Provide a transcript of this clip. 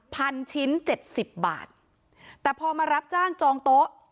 พันชิ้นเจ็ดสิบบาทแต่พอมารับจ้างจองโต๊ะ